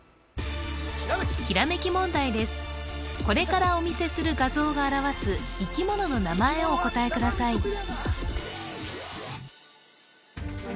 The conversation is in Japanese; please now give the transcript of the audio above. これからお見せする画像が表す生き物の名前をお答えください